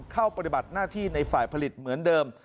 ปฏิบัติหน้าที่ในฝ่ายผลิตเหมือนเดิม